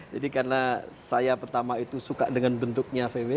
jadi karena saya pertama itu suka dengan bentuknya vw